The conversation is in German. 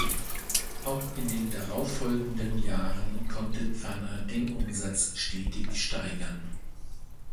Auch in den darauffolgenden Jahren konnte Pfanner den Umsatz stetig steigern.